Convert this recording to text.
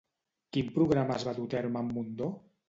Quin programa es va dur a terme amb Mundó?